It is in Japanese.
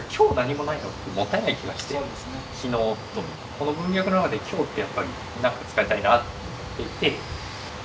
この文脈の中で今日ってやっぱり何か使いたいな。